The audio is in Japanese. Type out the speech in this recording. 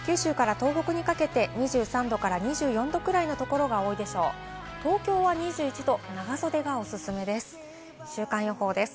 東京は２１度、長袖がおすすめです。